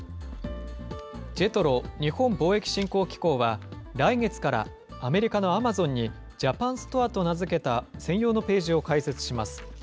ＪＥＴＲＯ・日本貿易振興機構は、来月からアメリカのアマゾンに、ＪＡＰＡＮＳＴＯＲＥと名付けた専用のページを開設します。